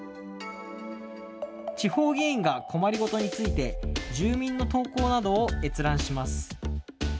地方議員が困りごとについて住民の投稿などを閲覧します。